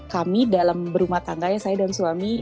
kami dalam berumah tangganya saya dan suami